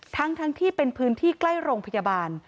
ทั้งที่เป็นพื้นที่ใกล้โรงพยาบาล